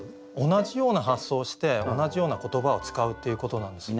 同じような発想をして同じような言葉を使うっていうことなんですね。